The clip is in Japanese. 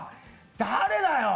誰だよ？